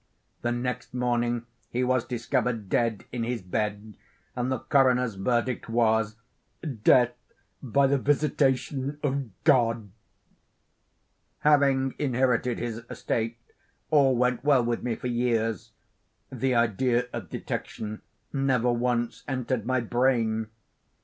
The next morning he was discovered dead in his bed, and the coroner's verdict was—"Death by the visitation of God." Having inherited his estate, all went well with me for years. The idea of detection never once entered my brain.